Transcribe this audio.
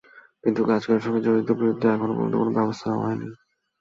কিন্তু গাছ কাটার সঙ্গে জড়িতদের বিরুদ্ধে এখন পর্যন্ত কোনো ব্যবস্থা নেওয়া হয়নি।